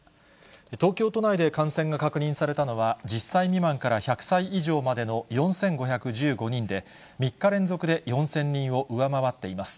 東京都内で感染が確認されたのは、１０歳未満から１００歳以上までの４５１５人で、３日連続で４０００人を上回っています。